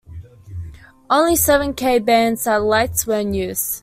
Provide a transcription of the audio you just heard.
Only seven K band satellites were in use.